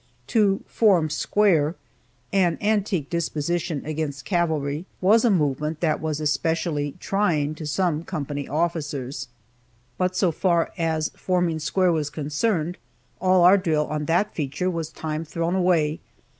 To "form square," an antique disposition against cavalry, was a movement that was especially "trying" to some company officers. But so far as forming square was concerned, all our drill on that feature was time thrown away.